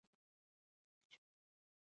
څنګه چې به باران شو، یخ به هم حاضر شو.